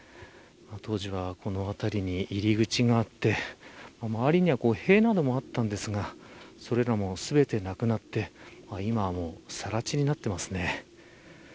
当時はこの辺りに入り口があって周りには塀などもあったんですがそれらも全てなくなって今はもう更地になっていますね。